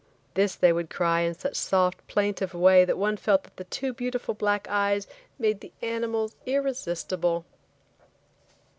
This they would cry in such a soft plaintive way that one felt the "two beautiful black eyes" made the animals irresistible.